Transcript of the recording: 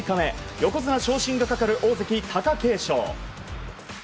横綱昇進がかかる大関・貴景勝。